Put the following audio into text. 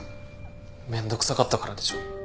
めんどくさかったからでしょ。